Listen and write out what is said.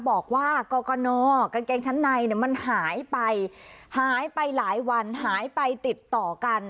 บอกว่ากรกนกางเกงชั้นในเนี่ยมันหายไปหายไปหลายวันหายไปติดต่อกัน